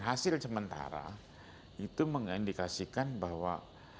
hasil sementara itu mengindikasikan bahwa